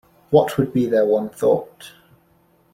What would be their one thought?